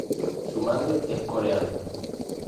Su madre es coreana.